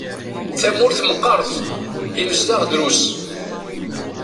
Tamurt meqqert, imezdaɣ drus.